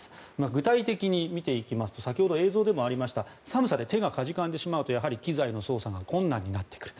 具体的に見ていきますと寒さで手がかじかんでしまうと機材の操作が困難になってくる。